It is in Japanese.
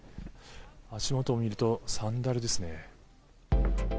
足元を見るとサンダルですね。